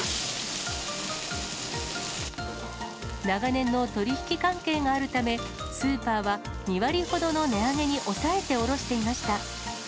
長年の取り引き関係があるため、スーパーは２割ほどの値上げに抑えて卸していました。